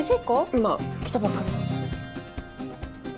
今来たばっかりですし。